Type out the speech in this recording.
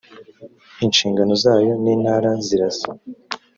inshingano zayo n intara zirasa